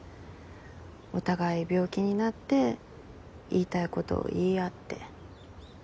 お互い病気になって言いたいことを言い合って。